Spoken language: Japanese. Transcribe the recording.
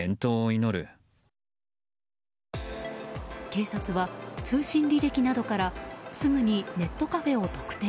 警察は通信履歴などからすぐにネットカフェを特定。